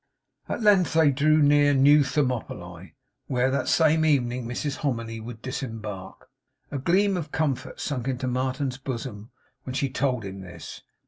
At length they drew near New Thermopylae; where, that same evening, Mrs Hominy would disembark. A gleam of comfort sunk into Martin's bosom when she told him this.